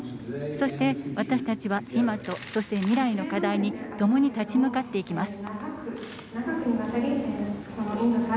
そして私たちは今と、そして未来の課題に共に立ち向かっていきます。